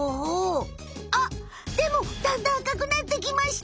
あっでもだんだん赤くなってきました。